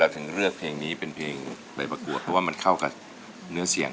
พูดดีเทียง